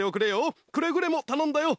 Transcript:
くれぐれもたのんだよ！